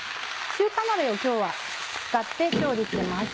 中華鍋を今日は使って調理してます。